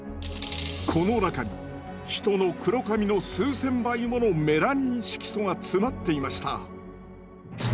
この中に人の黒髪の数千倍ものメラニン色素が詰まっていました。